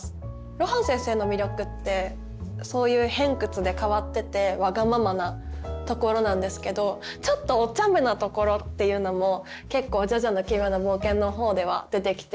露伴先生の魅力ってそういう偏屈で変わっててわがままなところなんですけどちょっとおちゃめなところっていうのも結構「ジョジョの奇妙な冒険」の方では出てきて。